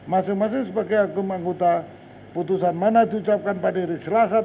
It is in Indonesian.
masing masing sebagai hakim anggota putusan mana diucapkan pada hari selasa tanggal sebelas april dua ribu dua puluh tiga